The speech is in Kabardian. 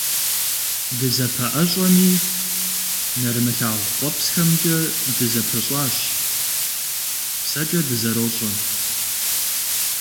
Дызэпэӏэщӏэми, нэрымылъагъу къуэпсхэмкӏэ дызэпыщӏащ, псэкӏэ дызэрощӏэ.